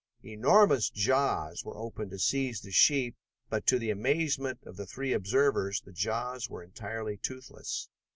Enormous jaws were opened to seize the sheep but, to the amazement of the three observers, the jaws were entirely toothless.